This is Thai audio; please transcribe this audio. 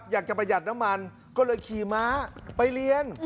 อยากจะประหยัดน้ำมันก็เลยขี่ม้าไปเรียน